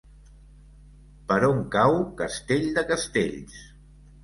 Per on cau Castell de Castells?